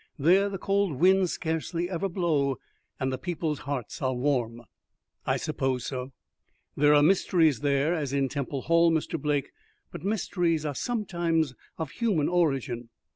There the cold winds scarcely ever blow, and the people's hearts are warm." "I suppose so." "There are mysteries there, as in Temple Hall, Mr. Blake; but mysteries are sometimes of human origin."